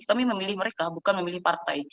kami memilih mereka bukan memilih partai